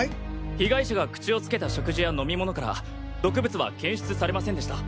被害者が口をつけた食事や飲み物から毒物は検出されませんでした。